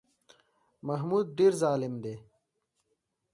محمود ډېر ظالم دی.